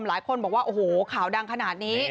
หลายคนบอกว่าโอ้โหข่าวดังขนาดนี้